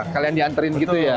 kalian dianterin gitu ya